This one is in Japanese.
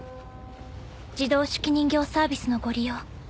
自動手記人形サービスのご利用